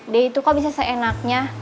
dia itu kok bisa seenaknya